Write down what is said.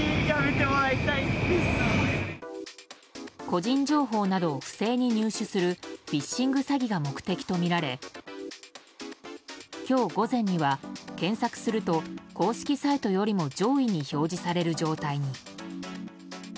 個人情報などを不正に入手するフィッシング詐欺が目的とみられ今日午前には、検索すると公式サイトよりも上位に表示される状態に。